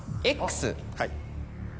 「Ｘ」。